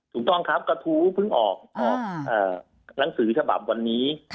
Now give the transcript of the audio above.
ถูกต้องครับกระทู้เพิ่งออกหนังสือฉบับวันนี้